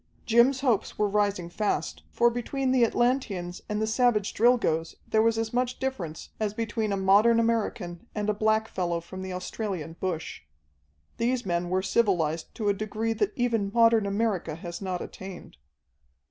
Jim's hopes were rising fast, for between the Atlanteans and the savage Drilgoes there was as much difference as between a modern American and a blackfellow from the Australian bush. These men were civilized to a degree that even modern America has not attained.